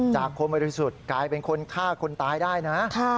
คนบริสุทธิ์กลายเป็นคนฆ่าคนตายได้นะ